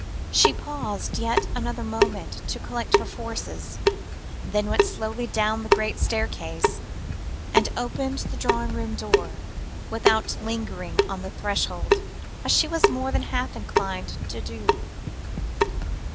She paused yet another moment to collect her forces, then went slowly down the great staircase, and opened the drawing room door, without lingering on the threshold, as she was more than half inclined to do.